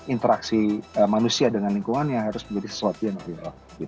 interaksi manusia dengan lingkungannya harus menjadi sesuatu yang real